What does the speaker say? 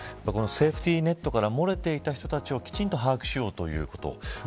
セーフティーネットから漏れている人たちをきちんと把握しようとしたこと。